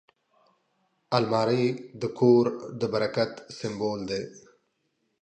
الماري د کور د برکت سمبول دی